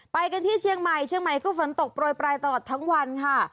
ไปกันที่เชียงใหม่เชียงใหม่ก็ฝนตกโปรยปลายตลอดทั้งวันค่ะ